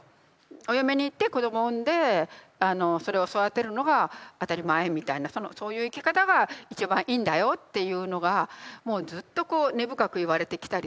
お嫁に行って子どもを産んでそれを育てるのが当たり前みたいなそういう生き方が一番いいんだよっていうのがもうずっとこう根深く言われてきたりとか。